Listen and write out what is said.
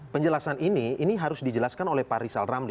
penjelasan ini ini harus dijelaskan oleh pak rizal ramli